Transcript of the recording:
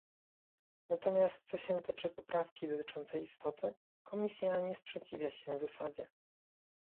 Natomiast co się tyczy poprawki dotyczącej istoty, Komisja nie sprzeciwia się zasadzie